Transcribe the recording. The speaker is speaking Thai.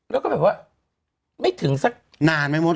แล้วก็แบบว่าไม่ถึงสักนานไหมมด